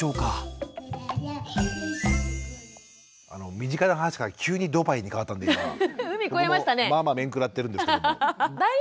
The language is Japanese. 身近な話から急にドバイに変わったんでまあまあ面食らってるんですけども。